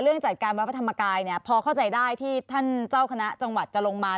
จัดการวัดพระธรรมกายเนี่ยพอเข้าใจได้ที่ท่านเจ้าคณะจังหวัดจะลงมา